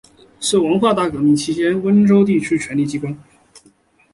是文化大革命期间的温州地区权力机关。